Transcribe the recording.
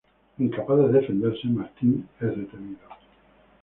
Incapaz de defenderse, Martin es detenido.